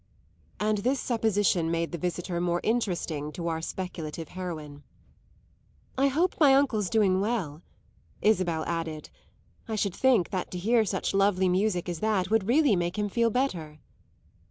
And this supposition made the visitor more interesting to our speculative heroine. "I hope my uncle's doing well," Isabel added. "I should think that to hear such lovely music as that would really make him feel better."